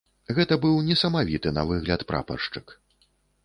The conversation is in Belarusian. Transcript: Гэта быў несамавіты на выгляд прапаршчык.